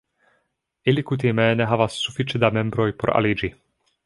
Ili kutime ne havas sufiĉe da membroj por aliĝi.